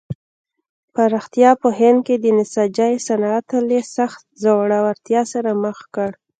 پراختیا په هند کې د نساجۍ صنعت له سخت ځوړتیا سره مخ کړ.